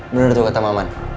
bener tuh kata maman